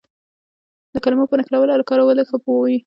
د کلمو په نښلولو او کارولو ښه پوه وي.